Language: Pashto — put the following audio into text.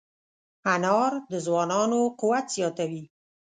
انار د ځوانانو قوت زیاتوي.